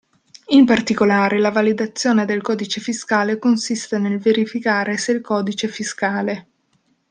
In particolare, la validazione del codice fiscale consiste nel verificare se il codice fiscale.